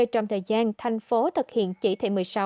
trong thời gian thành phố thực hiện chỉ thị một mươi sáu